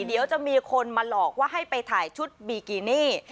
เดี๋ยวจะมีคนมาหลอกว่าให้ไปถ่ายชุดบีกินี่